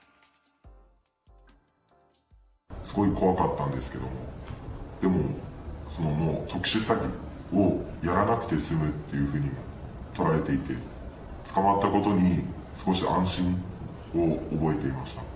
すごい怖かったんですけども、でももう特殊詐欺をやらなくて済むっていうふうには捉えていて、捕まったことに少し安心を覚えていました。